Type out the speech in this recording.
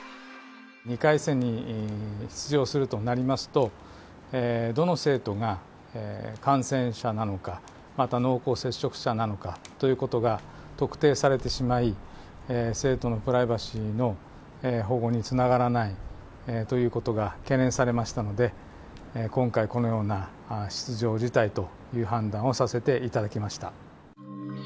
２回戦に出場するとなりますと、どの生徒が感染者なのか、また濃厚接触者なのかということが特定されてしまい、生徒のプライバシーの保護につながらないということが懸念されましたので、今回、このような出場辞退という判断をさせていただきました。